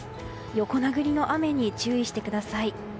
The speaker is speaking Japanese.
横殴りの雨に注意してください。